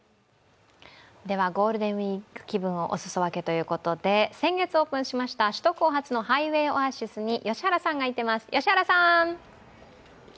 ゴールデンウイーク気分をおすそ分けということで先月オープンしました首都高初のハイウェイオアシスに良原さんが行っています。